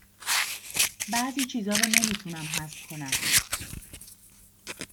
بعضی چیزا رو نمی تونم هضم کنم